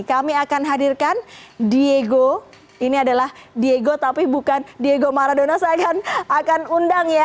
kami akan hadirkan diego ini adalah diego tapi bukan diego maradona saya akan undang ya